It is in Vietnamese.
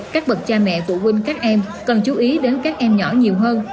các bậc cha mẹ phụ huynh các em cần chú ý đến các em nhỏ nhiều hơn